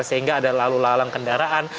sehingga ada lalu lalang kendaraan